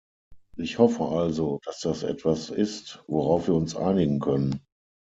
Ich hoffe also, dass das etwas ist, worauf wir uns einigen können.